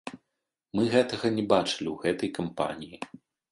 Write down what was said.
Мы гэтага не бачылі ў гэтай кампаніі.